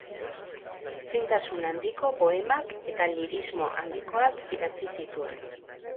Fintasun handiko poemak eta lirismo handikoak idatzi zituen.